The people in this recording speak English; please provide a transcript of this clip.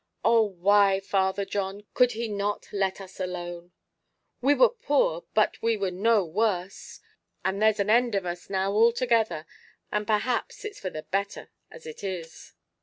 Oh! why, Father John, could he not let us alone. We were poor, but we were no worse; but there's an end of us now altogether, and perhaps it's for the betther as it is!"